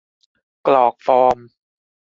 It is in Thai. กรอกฟอร์ม